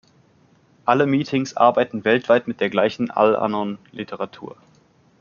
Alle Meetings arbeiten weltweit mit der gleichen Al-Anon Literatur.